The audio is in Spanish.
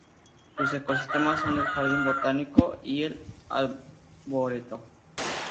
Sus ecosistemas son el jardín botánico y el arboreto.